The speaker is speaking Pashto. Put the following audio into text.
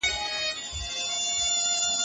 د باد لخوا د ايرو څلی وران سو.